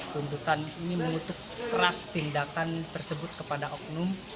tuntutan ini mengutuk keras tindakan tersebut kepada oknum